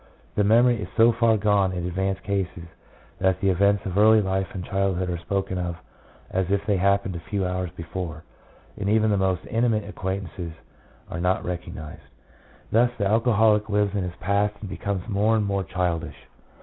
The memory is so far gone in advanced cases that the events of early life and childhood are spoken of as if they happened a few hours before, and even the most intimate acquaintances are not recognized. Thus the alcoholic lives in his past and becomes more and more childish.